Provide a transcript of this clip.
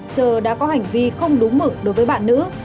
trơ đã có hành vi không đúng mực đối với bạn nữ